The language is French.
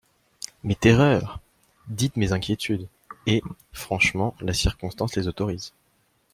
Mes terreurs !… dites mes inquiétudes ; et, franchement, la circonstance les autorise.